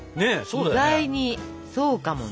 意外にそうかもね。